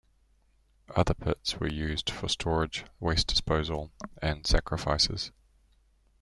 Other pits were used for storage, waste disposal and sacrifices.